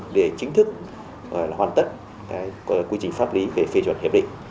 để chính thức hoàn tất quy trình pháp lý về phê chuẩn hiệp định